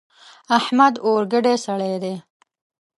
احمد اورګډی سړی دی.